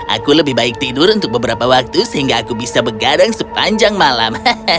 aku lebih baik tidur untuk beberapa waktu sehingga aku bisa begadang sepanjang malam